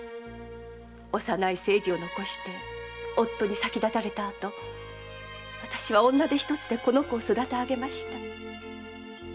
幼い清次を残して夫に先立たれたあと私は女手一つでこの子を育て上げました。